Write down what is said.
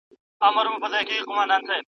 د زده کوونکو پرمختګ باید وستایل سي.